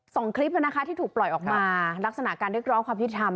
สองคลิปนะคะที่ถูกปล่อยออกมาลักษณะการเรียกร้องความยุติธรรม